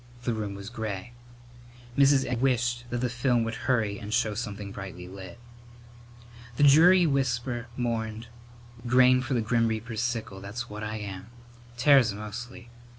The room was gray. Mrs. Egg wished that the film would hurry and show something brightly lit. The dreary whisper mourned, "Grain for the grim reaper's sickle, that's what I am. Tares mostly.